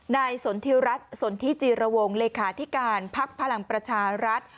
สนทิรัฐสนทิจิรวงเลขาธิการภักดิ์พลังประชารัฐ